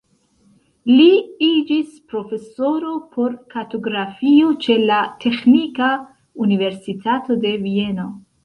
Li iĝis profesoro por kartografio ĉe la Teĥnika Universitato de Vieno.